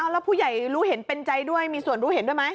แล้วผู้ใหญ่รู้เห็นเป็นใจด้วยมีส่วนรู้เห็นด้วยไหม